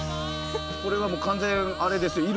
これはもう完全あれです